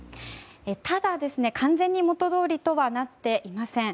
ただ、完全に元どおりとはなっていません。